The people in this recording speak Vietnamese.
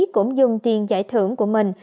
cũng dùng tiền giải thưởng của mình